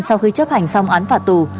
sau khi chấp hành xong án phạt tù